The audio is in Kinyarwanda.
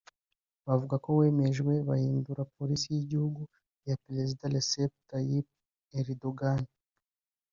bavuga ko wemejwe wahindura Polisi y’Igihugu iya Perezida Recep Tayyip Erdogan